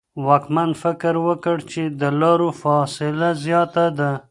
واکمن فکر وکړ چې د لارو فاصله زیاته ده.